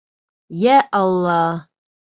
Йә Алла!